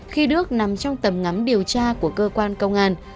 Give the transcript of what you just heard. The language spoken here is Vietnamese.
khi đức nằm trong tầm ngắm điều tra của cơ quan công an